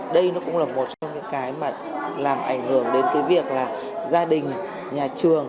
đây nó cũng là một trong những cái mà làm ảnh hưởng đến cái việc là gia đình nhà trường